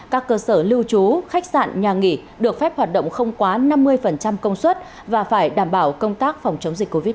các cơ sở lưu trú khách sạn nhà nghỉ được phép hoạt động không quá năm mươi công suất và phải đảm bảo công tác phòng chống dịch covid một mươi chín